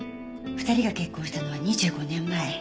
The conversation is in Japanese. ２人が結婚したのは２５年前。